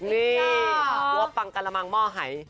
นี่หัวปังกะละมังหม้อหาย